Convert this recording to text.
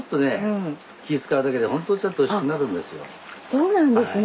そうなんですね。